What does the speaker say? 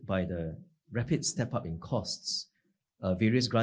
beberapa kebijakan bergantian juga